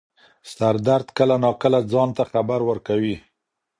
سردرد کله نا کله ځان ته خبر ورکوي.